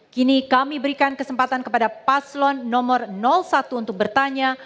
kini kami berikan kesempatan kepada paslon nomor satu untuk bertanya